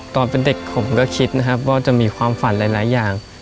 ตอนเป็นเด็กผมก็คิดนะครับว่าจะมีความฝันหลายอย่าง